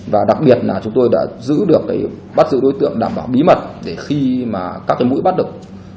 và đặc biệt là chúng tôi đã giữ được bắt giữ đối tượng đảm bảo bí mật để khi các mũi bắt được